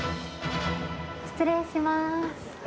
失礼します。